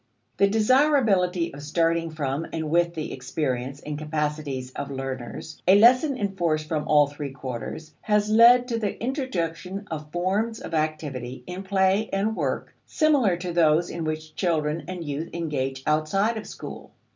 The desirability of starting from and with the experience and capacities of learners, a lesson enforced from all three quarters, has led to the introduction of forms of activity, in play and work, similar to those in which children and youth engage outside of school.